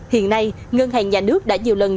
hiện nay ngân hàng nhà nước đã nhiều lần